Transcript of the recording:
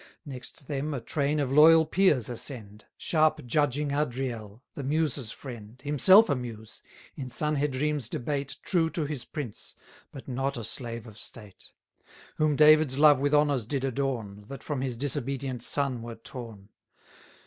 Next them a train of loyal peers ascend; Sharp judging Adriel, the Muses' friend, Himself a Muse: in Sanhedrim's debate True to his prince, but not a slave of state: Whom David's love with honours did adorn, 880 That from his disobedient son were torn.